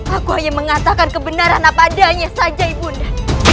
aku hanya mengatakan kebenaran apa adanya saja ibu nda